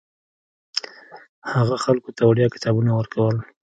هغه خلکو ته وړیا کتابونه ورکول.